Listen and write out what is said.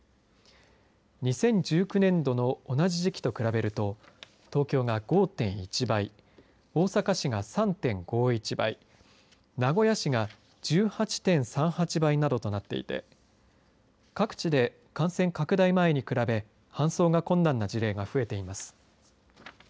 ２０１９年度の同じ時期と比べると東京が５．１倍大阪市が３．５１倍名古屋市が１８．３８倍などとなっていて各地で、感染拡大前に比べ搬送が困難な事例が増えています。